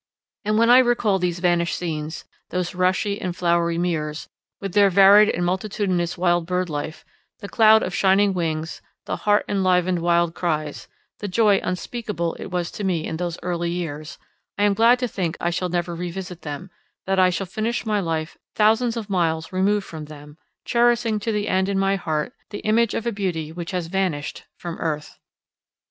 And when I recall these vanished scenes, those rushy and flowery meres, with their varied and multitudinous wild bird life the cloud of shining wings, the heart enlivening wild cries, the joy unspeakable it was to me in those early years I am glad to think I shall never revisit them, that I shall finish my life thousands of miles removed from them, cherishing to the end in my heart the image of a beauty which has vanished from earth.